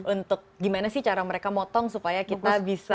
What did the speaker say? untuk gimana sih cara mereka motong supaya kita bisa